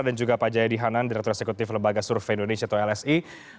dan juga pak jayadi hanan direktur eksekutif lebaga survei indonesia atau lsi